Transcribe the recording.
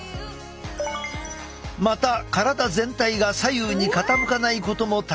また体全体が左右に傾かないことも大切。